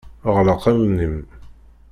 Ɣleq allen-im.